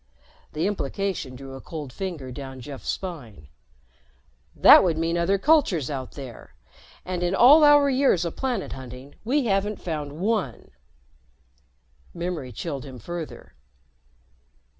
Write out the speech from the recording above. The implication drew a cold finger down Jeff's spine. "That would mean other cultures out here. And in all our years of planet hunting, we haven't found one." Memory chilled him further.